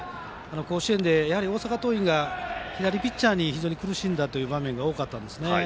甲子園で大阪桐蔭が左ピッチャーに非常に苦しんだ場面が多かったんですね。